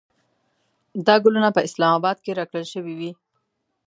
دا ګلونه په اسلام اباد کې راکړل شوې وې.